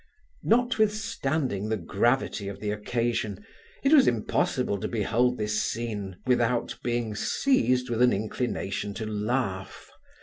Notwithstanding the gravity of the occasion, it was impossible to behold this scene without being seized with an inclination to laugh.